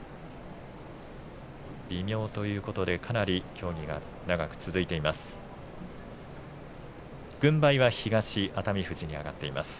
微妙ということでかなり協議が長く続いています。